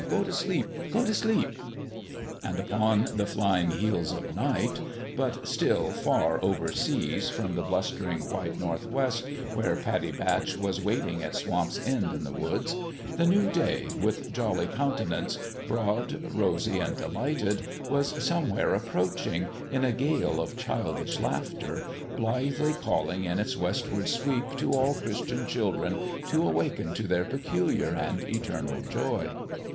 Go t' sleep ! Go t' sleep !" And upon the flying heels of Night but still far over seas from the bluster ing white Northwest where Pattie Batch was waiting at Swamp's End in the woods the new Day, with jolly countenance, broad, rosy and delighted, was somewhere approaching, in a gale of childish laughter, blithely calling in its westward sweep to all Christian children to awaken to their peculiar and eternal joy.